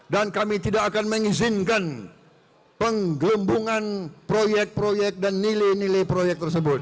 dan kami tidak akan mengizinkan penggembungan proyek proyek dan nilai nilai proyek tersebut